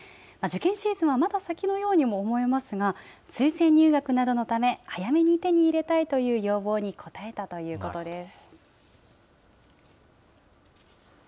受験シーズンはまだ先のように思えますが、推薦入学などのため、早めに手に入れたいという要望に応えたということです。